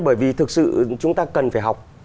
bởi vì thực sự chúng ta cần phải học